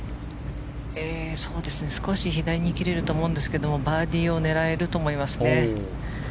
少し左に切れると思うんですがバーディーを狙えると思います。